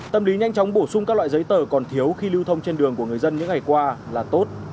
tâm lý nhanh chóng bổ sung các loại giấy tờ còn thiếu khi lưu thông trên đường của người dân những ngày qua là tốt